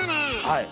はい。